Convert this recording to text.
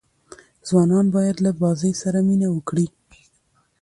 ځوانان باید له بازۍ سره مینه وکړي.